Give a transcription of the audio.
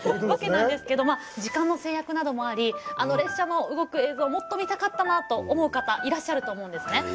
わけなんですけど時間の制約などもありあの列車の動く映像をもっと見たかったなと思う方いらっしゃると思うんですね。